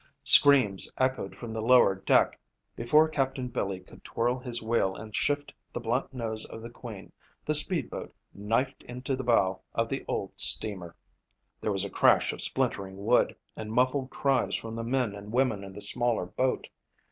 Screams echoed from the lower deck. Before Captain Billy could twirl his wheel and shift the blunt nose of the Queen, the speed boat knifed into the bow of the old steamer. There was the crash of splintering wood, and muffled cries from the men and women in the smaller boat.